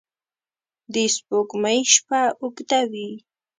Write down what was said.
د سپوږمۍ شپه اوږده وي